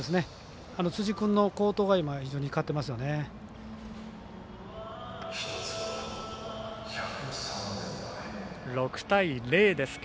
辻君の好投が非常に光ってますよね。